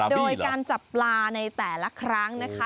โดยการจับปลาในแต่ละครั้งนะคะ